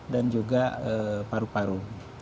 dan juga paru paru